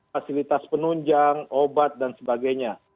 fasilitas penunjang obat dan sebagainya